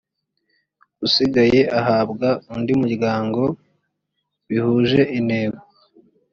usigaye uhabwa undi muryango bihuje intego